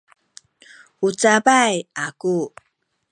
u cabay aku